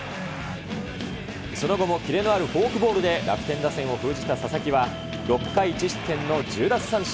その後もキレのあるフォークボールで楽天打線を封じた佐々木は、６回１失点の１０奪三振。